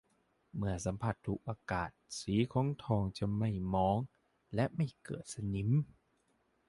เมื่อสัมผัสถูกอากาศสีของทองจะไม่หมองและไม่เกิดสนิม